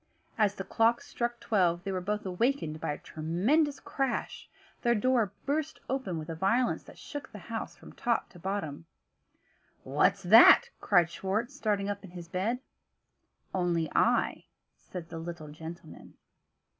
As the clock struck twelve, they were both awakened by a tremendous crash. Their door burst open with a violence that shook the house from top to bottom. "What's that?" cried Schwartz, starting up in his bed. "Only I," said the little gentleman.